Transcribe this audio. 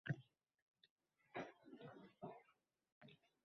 axloq to'g'risida suhbatlashganimdir.